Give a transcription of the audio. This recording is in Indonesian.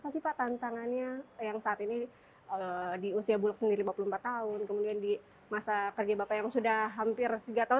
apa sih pak tantangannya yang saat ini di usia bulog sendiri lima puluh empat tahun kemudian di masa kerja bapak yang sudah hampir tiga tahun